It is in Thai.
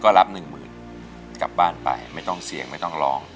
ก็รับหนึ่งหมื่นกลับบ้านไปไม่ต้องเสี่ยงไม่ต้องร้อง